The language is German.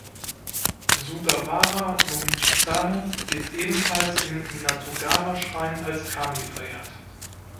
Sugawara no Michizane wird ebenfalls im Minatogawa-Schrein als Kami verehrt.